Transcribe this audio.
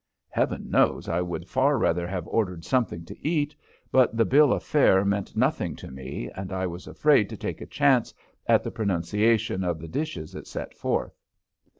Heaven knows I would far rather have ordered something to eat, but the bill of fare meant nothing to me, and I was afraid to take a chance at the pronunciation of the dishes it set forth.